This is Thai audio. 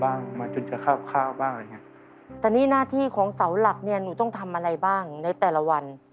อันนี้หน้าที่ของเสาหลักเนี่ยหนูต้องทำอะไรบ้างในแต่ละวัน